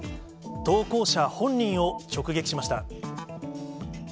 投稿者本人を直撃しました。